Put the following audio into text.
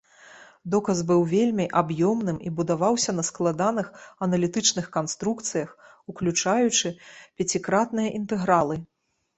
Доказ быў вельмі аб'ёмным і будаваўся на складаных аналітычных канструкцыях, уключаючы пяцікратныя інтэгралы.